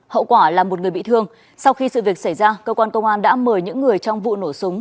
hậu quả là một người bị thương sau khi sự việc xảy ra cơ quan công an đã mời những người trong vụ nổ súng